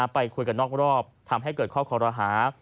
ไปคุยกันนอกรอบทำให้เกิดข้อคอรหา